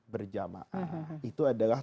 berjamaah itu adalah